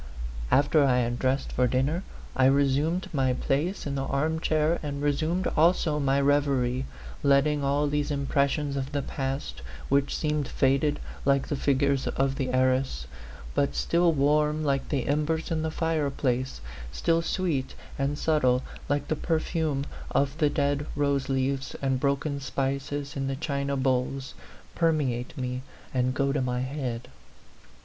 After I had dressed for dinner, I resumed my place in the arm chair and resumed also my reverie, letting all these impressions of the past which seemed faded like the fig ures in the arras, but still warm like the em bers in the fireplace, still sweet and subtle like the perfume of the dead rose leaves and broken spices in the china bowls permeate me and go to my head.